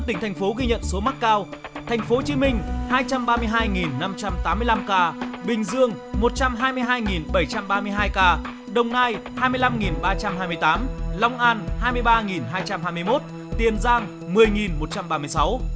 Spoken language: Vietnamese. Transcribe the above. năm tỉnh thành phố ghi nhận số mắc cao